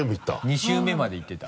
２周目までいってた。